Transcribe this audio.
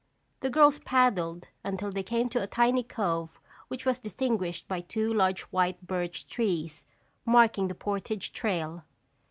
The girls paddled until they came to a tiny cove which was distinguished by two large white birch trees, marking the portage trail.